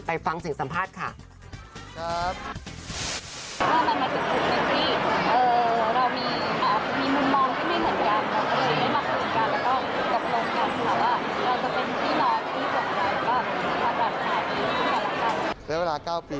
ฟังเสียงสัมภาษณ์ค่ะ